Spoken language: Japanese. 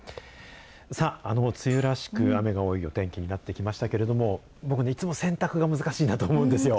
さあ、梅雨らしく雨の多いお天気になってきましたけれども、僕ね、いつも洗濯が難しいなと思うんですよ。